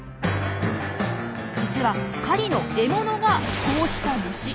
実は狩りの獲物がこうした虫。